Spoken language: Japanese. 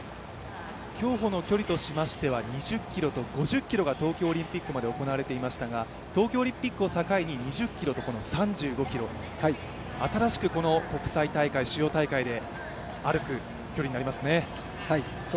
競歩の距離としましては２０ｋｍと５０ｋｍが東京オリンピックまで行われていましたが東京オリンピックを境に２０ｋｍと３５ｋｍ新しく国際大会主要大会で歩く距離になりますね。